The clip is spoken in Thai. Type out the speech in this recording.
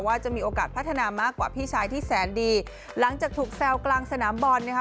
ว่าจะมีโอกาสพัฒนามากกว่าพี่ชายที่แสนดีหลังจากถูกแซวกลางสนามบอลนะคะ